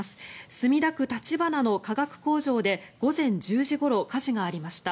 墨田区立花の化学工場で午前１０時ごろ火事がありました。